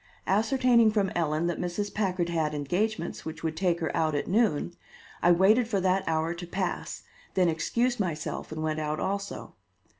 Ascertaining from Ellen that Mrs. Packard had engagements which would take her out at noon, I waited for that hour to pass, then excused myself and went out also.